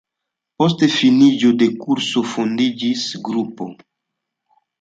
Post finiĝo de kurso fondiĝis grupo.